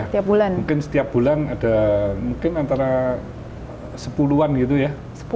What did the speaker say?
mungkin setiap bulan ada mungkin antara sepuluhan gitu ya